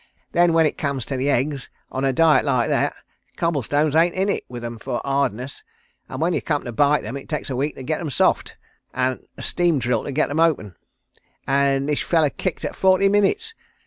Then when it comes to the eggs, on a diet like that, cobblestones ain't in it with 'em for hardness, and when you come to bite 'em it takes a week to get 'em soft, an' a steam drill to get 'em open an' this feller kicked at forty minutes!